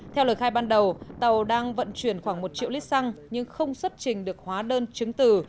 theo lời khai ban đầu tàu đang vận chuyển khoảng một triệu lít xăng nhưng không xuất trình được hóa đơn chứng từ